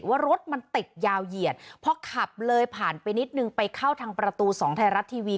ว่ารถมันติดยาวเหยียดพอขับเลยผ่านไปนิดนึงไปเข้าทางประตูสองไทยรัฐทีวี